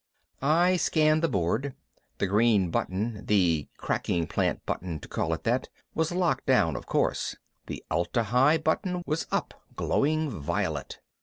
I scanned the board. The green button the cracking plant button, to call it that was locked down of course. The Atla Hi button was up, glowing violet.